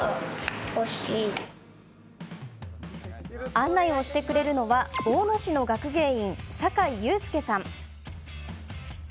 案内をしてくれるのは大野市の学芸員、酒井佑輔さん。